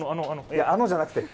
いやあのじゃなくて。